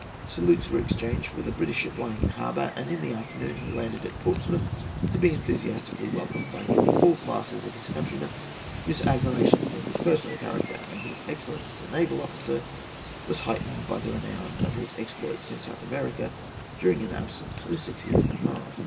Salutes were exchanged with a British ship lying in harbour, and in the afternoon he landed at Portsmouth, to be enthusiastically welcomed by nearly all classes of his countrymen, whose admiration for his personal character and his excellence as a naval officer was heightened by the renown of his exploits in South America during an absence of six years and a half.